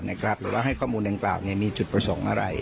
หรือให้ข้อมูลดังกล่าวเนี่ยมีจุดผสมอะไร